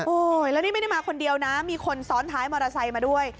แล้วนี่ไม่ได้มาคนเดียวนะมีคนซ้อนท้ายมอเตอร์ไซค์มาด้วย